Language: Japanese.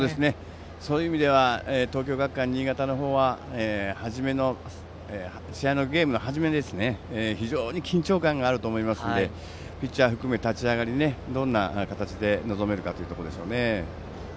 そういう意味では東京学館新潟の方は試合のゲームの初めは非常に緊張感があると思いますのでピッチャー含め、立ち上がりどんな形で臨めるかでしょうね。